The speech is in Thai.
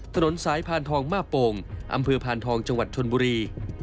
ถนนสายพานทองมาโป่งอำเภอพานทองจังหวัดชนบุรี